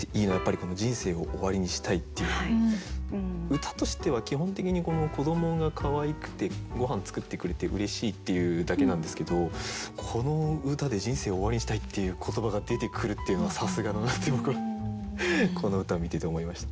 歌としては基本的に子どもがかわいくてごはん作ってくれてうれしいっていうだけなんですけどこの歌で「人生を終わりにしたい」っていう言葉が出てくるっていうのはさすがだなって僕この歌を見てて思いました。